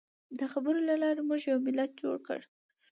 د خبرو له لارې موږ یو ملت جوړ کړ.